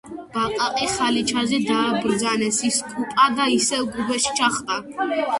ბაყაყი ხალიჩაზე დააბრძანეს, ისკუპა და ისევ გუბეში ჩახტა